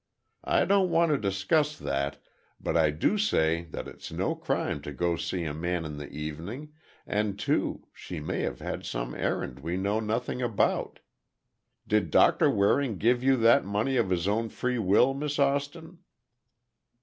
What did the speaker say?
I don't want to discuss that, but I do say that it's no crime to go to see a man in the evening, and too, she may have had some errand we know nothing about. Did Doctor Waring give you that money of his own free will, Miss Austin?"